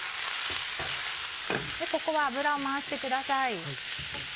ここは油を回してください。